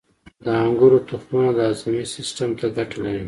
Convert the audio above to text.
• د انګورو تخمونه د هاضمې سیستم ته ګټه لري.